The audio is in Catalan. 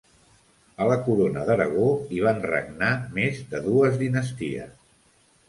A la Corona d'Aragó hi van regnar més de dues dinasties